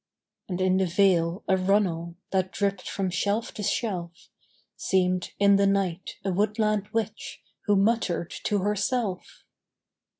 And in the vale a runnel, That dripped from shelf to shelf, Seemed in the night, a woodland witch Who muttered to herself.